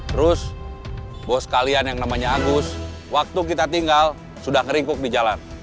terus bos kalian yang namanya agus waktu kita tinggal sudah ngeringkuk di jalan